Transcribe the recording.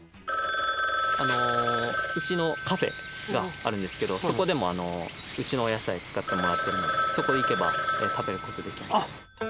うちのカフェがあるんですけどそこでもうちのお野菜使ってもらってるのでそこ行けば食べることできます。